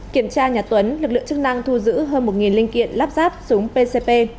kiểm tra nhà tuấn lực lượng chức năng thu giữ hơn một linh kiện lắp ráp súng pcp